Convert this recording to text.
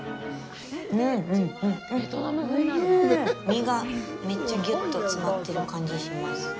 身が、めっちゃぎゅっと詰まってる感じします。